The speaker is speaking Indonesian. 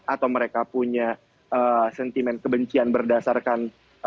atau mereka punya sentimen kebencian berdasarkan